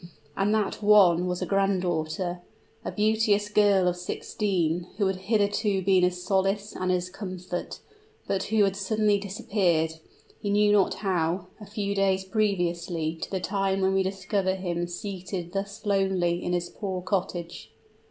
And that one was a grand daughter, a beauteous girl of sixteen, who had hitherto been his solace and his comfort, but who had suddenly disappeared he knew not how a few days previously to the time when we discover him seated thus lonely in his poor cottage.